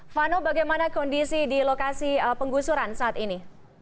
vano bagaimana kondisi di lokasi penggusuran saat ini